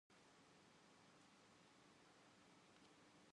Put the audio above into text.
beberapa orang buruh sedang mengerikil jalan yang terkikis oleh banjir